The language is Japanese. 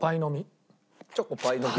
チョコパイの実。